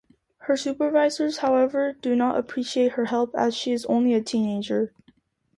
Her supervisors, however, do not appreciate her help, as she is only a teenager.